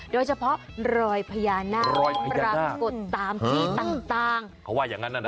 โดยเฉพาะรอยพญานาครอยพญานาคปรากฏตามที่ต่างต่างเขาว่าอย่างงั้นน่ะนะค่ะ